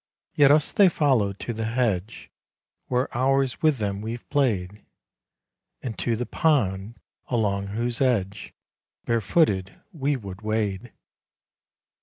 Yet us they follow to the hedge, Where hours with them we've played; And to the pond, along whose edge, Barefooted, we would wade.